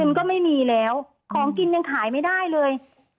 มันก็ไม่มีแล้วของกินยังขายไม่ได้เลย